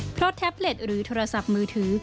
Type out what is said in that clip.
เพราะแท็บเล็ตหรือโทรศัพท์มือถือ